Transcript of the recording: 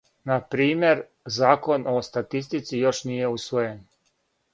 На пример, закон о статистици још није усвојен.